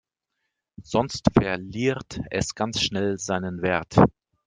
Sonst verliert es ganz schnell seinen Wert.